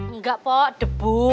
enggak pok debu